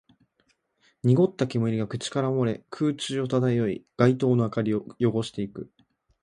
濁った煙が口から漏れ、空中を漂い、街灯の明かりを汚していく